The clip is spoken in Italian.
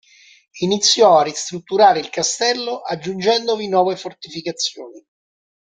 Iniziò a ristrutturare il castello aggiungendovi nuove fortificazioni.